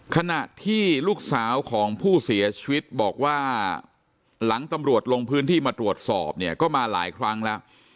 ขณะที่ลูกสาวของผู้เสียชีวิตบอกว่าหลังตำรวจลงพื้นที่มาตรวจสอบเนี่ยก็มาหลายครั้งแล้ว